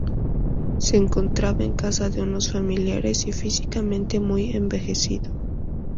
Se encontraba en casa de unos familiares, y físicamente muy envejecido.